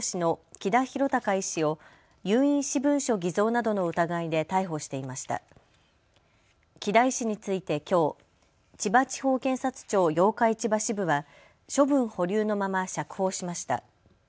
木田医師についてきょう千葉地方検察庁八日市場支部は処分保留のまま釈放しました。